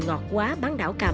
ngọt quá bán đảo cà ninh